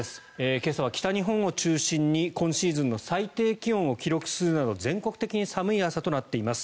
今朝は北日本を中心に今シーズンの最低気温を記録するなど全国的に寒い朝となっています。